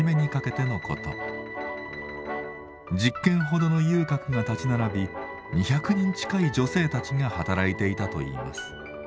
１０軒ほどの遊郭が立ち並び２００人近い女性たちが働いていたといいます。